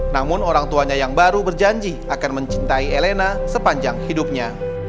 namun orang tuanya yang baru berjanji akan mencintai elena sepanjang hidupnya